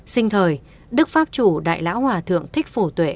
sinh thời đức pháp chủ đại lão hòa thượng thích phổ tuệ